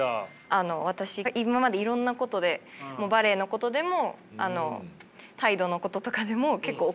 あの私今までいろんなことでバレエのことでも態度のこととかでも結構怒られてきました。